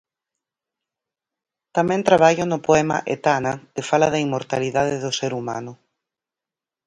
Tamén traballo no poema Etana que fala da inmortalidade do ser humano.